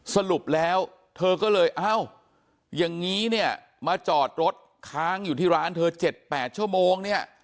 สรุปแล้วเธอก็เลยเอ้าอย่างนี้เนี่ยมาจอดรถค้างอยู่ที่ร้านเธอ๗๘ชั่วโมงเนี่ย